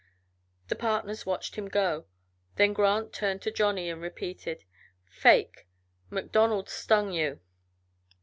The partners watched him go, then Grant turned to Johnny, and repeated: "Fake! MacDonald stung you."